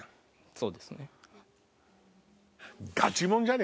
そうですね。